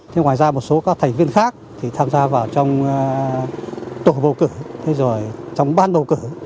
thế ngoài ra một số các thành viên khác thì tham gia vào trong tổ bầu cử thế rồi trong ban bầu cử